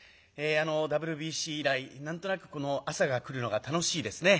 あのＷＢＣ以来何となくこの朝が来るのが楽しいですね。